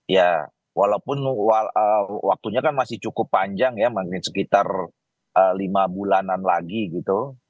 ya walaupun waktunya kan masih cukup panjang ya mungkin sekitar lima bulanan lagi gitu